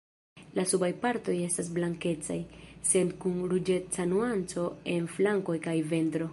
La subaj partoj estas blankecaj, sed kun ruĝeca nuanco en flankoj kaj ventro.